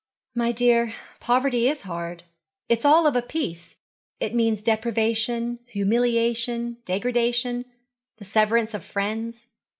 'My dear, poverty is hard. It is all of a piece. It means deprivation, humiliation, degradation, the severance of friends.